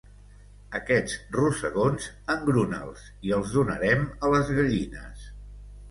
Aquests rosegons, engruna'ls, i els donarem a les gallines.